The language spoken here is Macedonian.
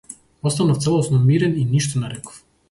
Останав целосно мирен и ништо не реков.